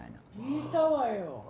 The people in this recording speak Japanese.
聞いたわよ。